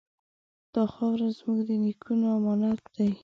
دا خاوره زموږ د نیکونو امانت دی.